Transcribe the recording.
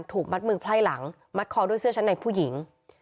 ถูกมัดมือไพร่หลังมัดคอด้วยเสื้อชั้นในผู้หญิง